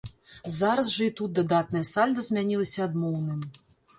Зараз жа і тут дадатнае сальда змянілася адмоўным.